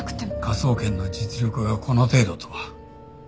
科捜研の実力がこの程度とは。